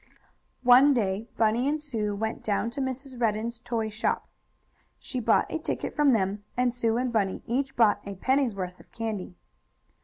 One day Bunny and Sue went down to Mrs. Redden's toy shop. She bought a ticket from them, and Sue and Bunny each bought a penny's worth of candy.